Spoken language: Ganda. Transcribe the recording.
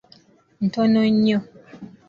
Ntono nnyo.